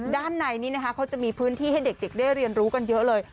ด้านในนี้นะคะเขาจะมีพื้นที่ให้เด็กได้เรียนรู้กันเยอะเลย